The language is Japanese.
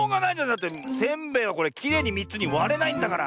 だってせんべいはこれきれいに３つにわれないんだから。